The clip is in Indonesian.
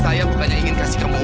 saya bukan ingin memberi kamu uang